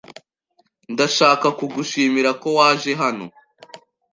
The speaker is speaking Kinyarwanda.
Ndashaka kugushimira ko waje hano.